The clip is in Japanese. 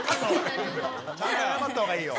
ちゃんと謝ったほうがいいよ。